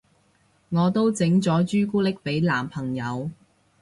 我都整咗朱古力俾男朋友